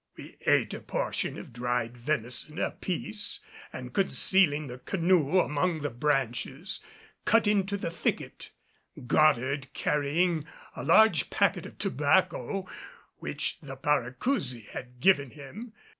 We ate a portion of dried venison apiece, and concealing the canoe among the branches, cut into the thicket, Goddard carrying a large packet of tobacco which the Paracousi had given him.